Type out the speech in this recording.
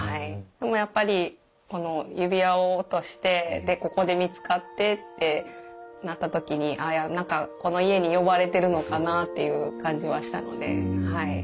でもやっぱりこの指輪を落としてでここで見つかってってなった時にあ何かこの家に呼ばれてるのかなっていう感じはしたので。